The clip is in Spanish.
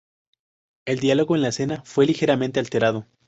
El diálogo en la escena fue ligeramente alterado.